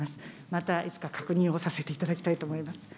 またいつか確認をさせていただきたいと思います。